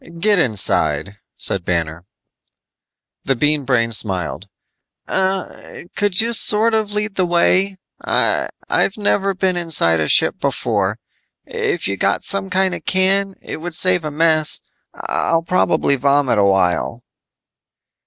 "Get inside," said Banner. The Bean Brain smiled, "Er ... could you sort of lead the way? I've never been inside a ship before. If you got some kind of can, it would save a mess. I'll probably vomit a while."